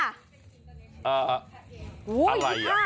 อ่าอะไรอ่ะ